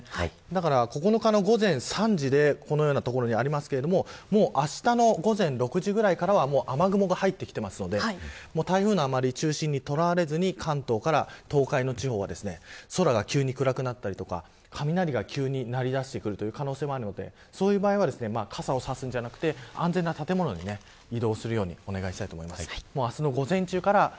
なので、９日の午前３時でこのような所にありますがもう、あしたの午前６時ぐらいからは雨雲が入ってきてますので台風の中心に捉われずに関東から東海の地方は空が急に暗くなったりとか雷が急に鳴り出すという可能性があるのでそういう場合は、傘を差すのではなくて、安全な建物に移動するようにお願いします。